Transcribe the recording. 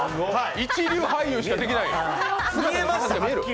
一流俳優しかできない、見える？